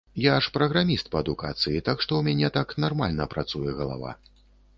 Я ж праграміст па адукацыі, так што ў мяне так нармальна працуе галава.